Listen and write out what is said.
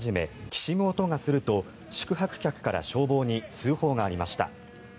きしむ音がすると宿泊客から消防に通報がありました。